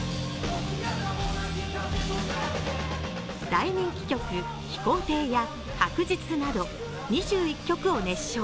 大人気曲「飛行艇」や、「白日」など、２１曲を熱唱。